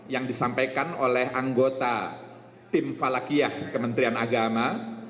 yang disampaikan oleh anggota tim falakiyah kementerian agama